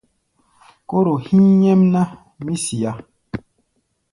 Kóro hí̧í̧ nyɛ́mná, mí siá.